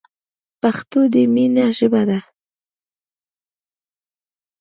پښتو دی مینی ژبه